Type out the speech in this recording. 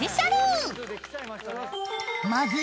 ［まず］